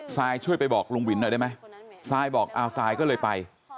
ซายช่วยไปบอกลุงหวินได้ไหมซายบอกเอาซายก็เลยไป